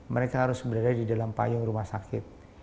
mereka harus berada di dalam payung rumah sakit